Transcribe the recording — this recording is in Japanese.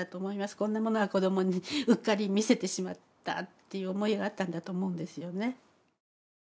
こんなものは子どもにうっかり見せてしまったという思いがあったんだと思うんですよね。